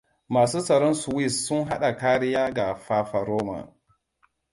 Masu tsaron Swiss sun bada kariya ga fafaroma.